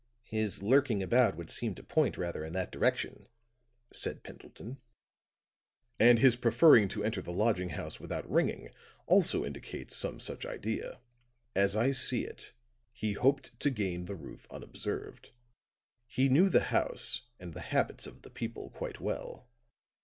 "His lurking about would seem to point rather in that direction," said Pendleton. "And his preferring to enter the lodging house without ringing also indicates some such idea. As I see it, he hoped to gain the roof unobserved. He knew the house and the habits of the people quite well.